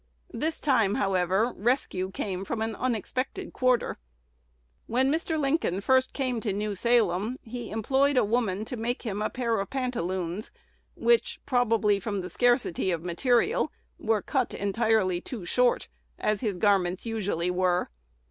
This time, however, rescue came from an unexpected quarter. When Mr. Lincoln first came to New Salem, he employed a woman to make him a pair of pantaloons, which, probably from the scarcity of material, were cut entirely too short, as his garments usually were.